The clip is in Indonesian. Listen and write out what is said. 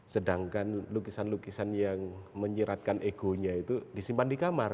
sedangkan lukisan lukisan yang menyiratkan egonya itu disimpan di kamar